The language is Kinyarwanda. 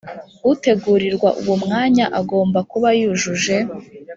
utegurirwa uwo mwanya agomba kuba yujuje